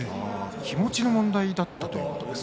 気持ちの問題だったということですか？